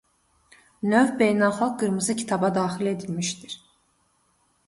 Növ Beynəlxalq Qırmızı Kitaba daxil edilmişdir.